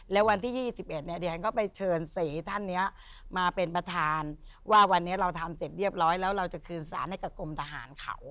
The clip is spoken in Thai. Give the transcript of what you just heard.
แล้ววันที่๒๑เนี่ยเดี๋ยวฉันก็ไปเชิญ๔ท่านนี้มาเป็นประธานว่าวันนี้เราทำเสร็จเรียบร้อยแล้วเราจะคืนสารให้กับกรมทหารเขา